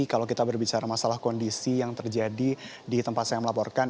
kalau kita berbicara masalah kondisi yang terjadi di tempat saya melaporkan